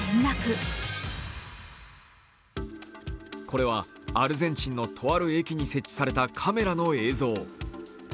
これはアルゼンチンのとある駅に設置されたカメラの映像。